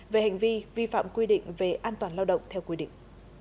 về hành vi vi phạm quy định về an toàn lao động theo quy định